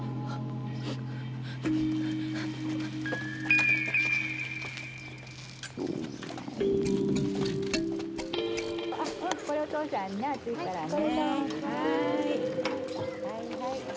はい。